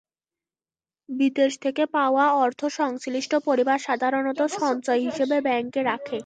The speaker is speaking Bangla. বিদেশ থেকে পাওয়া অর্থ সংশ্লিষ্ট পরিবার সাধারণত সঞ্চয় হিসেবে ব্যাংকে রাখে।